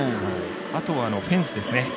あとはフェンスですね。